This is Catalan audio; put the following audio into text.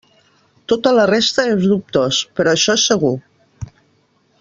Tota la resta és dubtós, però això és segur.